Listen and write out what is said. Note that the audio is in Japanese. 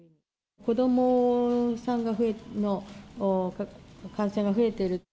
子どもさんの感染が増えている。